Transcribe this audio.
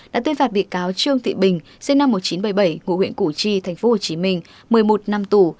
đã tuyên phạt bị cáo trương thị bình sinh năm một nghìn chín trăm bảy mươi bảy ngụ huyện củ chi tp hcm một mươi một năm tù